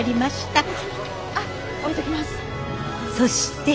そして。